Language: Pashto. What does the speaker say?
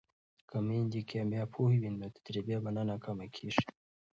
که میندې کیمیا پوهې وي نو تجربې به نه ناکامیږي.